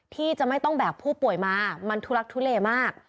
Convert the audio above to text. ที่จะไม่ต้องแบกผู้ป่วยมามันทุลักทุเลมาก